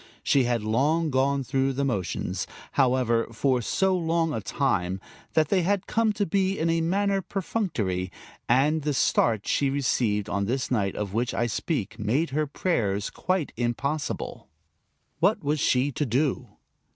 She had gone through the motions, however, for so long a time that they had come to be in a manner perfunctory, and the start she received on this night of which I speak made her prayers quite impossible. What was she to do?